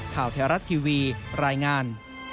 ข่าวแทรศทีวีรายงาน